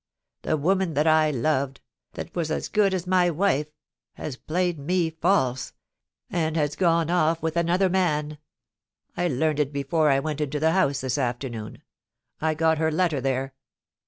... The woman that I loved — tha: was as good as my wife — has played me false, and has gone off with another man. I learned it before I went into the House this afternoon ; I got her letter there.